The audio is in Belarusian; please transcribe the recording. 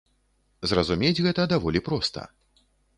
Зразумець гэта даволі проста.